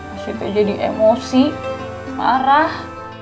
esi tuh jadi emosi marah